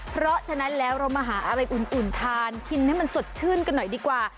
เพราะฉะนั้นแล้วเรามาหาอะไรอุ่นทานกินให้มันสดชื่นกันหน่อยดีกว่า